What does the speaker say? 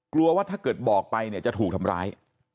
กลัวว่าถ้าเกิดบอกไปเนี่ยจะถูกทำร้าย